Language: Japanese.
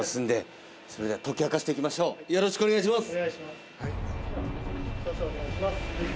よろしくお願いします。